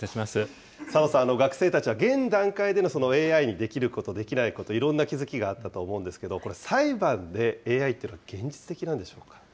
佐藤さん、学生たちは現段階でのＡＩにできること、できないこと、いろんな気付きがあったと思うんですけれども、これ、裁判でＡＩっていうのは現実的なんでしょうか。